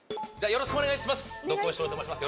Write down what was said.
よろしくお願いします。